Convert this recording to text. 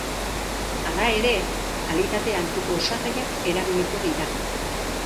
Hala ere, kalitate altuko osagaiak erabiliko dira.